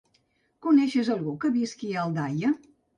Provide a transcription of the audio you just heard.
Coneixes algú que visqui a Aldaia?